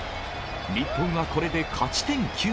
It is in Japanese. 日本はこれで勝ち点９。